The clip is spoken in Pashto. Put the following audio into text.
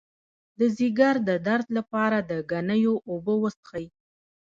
د ځیګر د درد لپاره د ګنیو اوبه وڅښئ